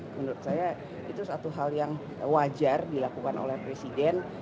menurut saya itu satu hal yang wajar dilakukan oleh presiden